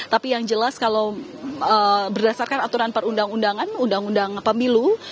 tapi yang jelas kalau berdasarkan aturan perundang undangan undang undang pemilu